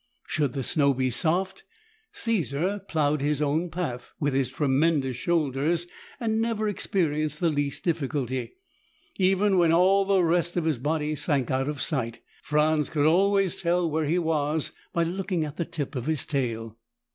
Should the snow be soft, Caesar plowed his own path with his tremendous shoulders and never experienced the least difficulty. Even when all the rest of his body sank out of sight, Franz could always tell where he was by looking at the tip of his tail.